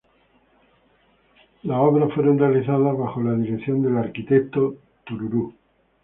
Las obras fueron realizadas bajo la dirección del Arq.